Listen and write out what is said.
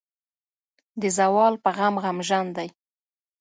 د زوال پۀ غم غمژن دے ۔